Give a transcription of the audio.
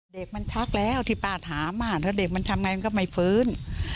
เด็กมันทักแล้วที่ป้าถามถ้าเด็กมันทำไงมันก็ไม่ฟื้น